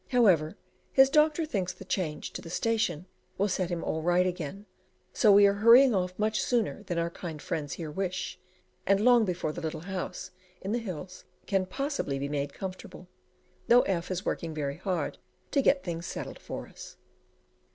However, his doctor thinks the change to the station will set him all right again, so we are hurrying off much sooner than our kind friends here wish, and long before the little house in the hills can possibly be made comfortable, though F is working very hard to get things settled for us.